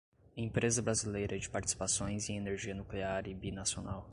Empresa Brasileira de Participações em Energia Nuclear e Binacional